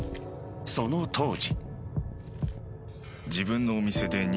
その当時。